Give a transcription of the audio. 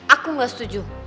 aku gak setuju